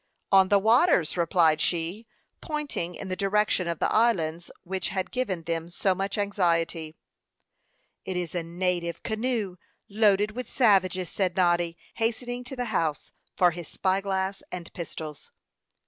"On the water," replied she, pointing in the direction of the islands which had given them so much anxiety. "It is a native canoe loaded with savages," said Noddy, hastening to the house for his spy glass and pistols.